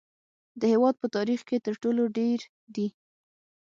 د هیواد په تاریخ کې تر ټولو ډیر دي